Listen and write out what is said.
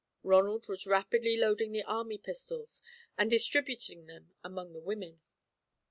Ronald was rapidly loading the army pistols and distributing them among the women.